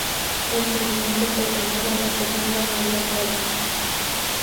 En su momento fue llamada "la segunda Maria Callas".